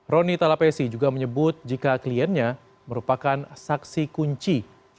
roni talapesi juga menyebut jika kliennya merupakan saksi kunci